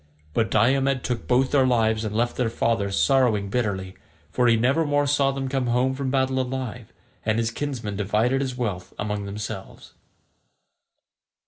But Diomed took both their lives and left their father sorrowing bitterly, for he nevermore saw them come home from battle alive, and his kinsmen divided his wealth among themselves.